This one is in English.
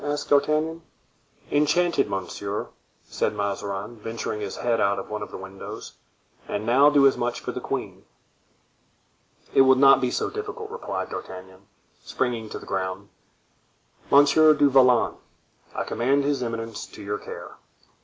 asked D'Artagnan. "Enchanted, monsieur," said Mazarin, venturing his head out of one of the windows; "and now do as much for the queen." "It will not be so difficult," replied D'Artagnan, springing to the ground. "Monsieur du Vallon, I commend his eminence to your care."